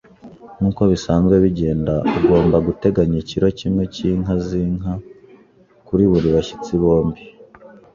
Nkuko bisanzwe bigenda, ugomba guteganya ikiro kimwe cyinka zinka kuri buri bashyitsi bombi.